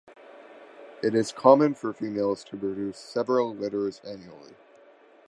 It is common for females to produce several litters annually.